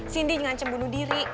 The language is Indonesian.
cindy ngancem bunuh diri